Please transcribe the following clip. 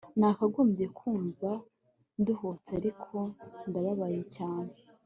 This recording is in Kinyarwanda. nakagombye kumva nduhutse, ariko ndababaye cyane